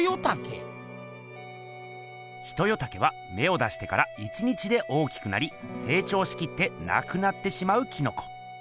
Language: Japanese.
ヒトヨタケはめを出してから１日で大きくなりせい長しきってなくなってしまうキノコ。